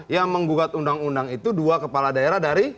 yang menggugat undang undang itu dua kepala daerah dari